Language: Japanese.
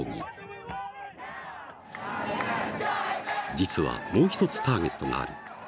実はもう一つターゲットがある。